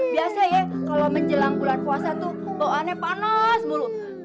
biasa ya kalau menjelang bulan puasa tuh bawaannya panas bulu